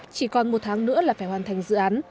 chỉ còn một tháng nữa là phải hoàn thành dự án